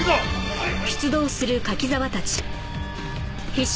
はい。